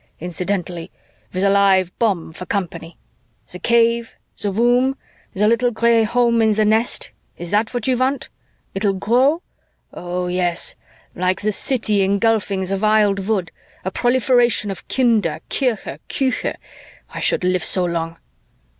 incidentally, with a live bomb for company. The cave, the womb, the little gray home in the nest is that what you want? It'll grow? Oh, yes, like the city engulfing the wild wood, a proliferation of Kinder, Kirche, Küche I should live so long!